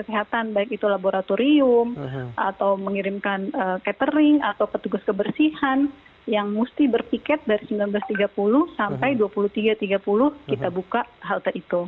kesehatan baik itu laboratorium atau mengirimkan catering atau petugas kebersihan yang mesti berpiket dari seribu sembilan ratus tiga puluh sampai dua puluh tiga tiga puluh kita buka halte itu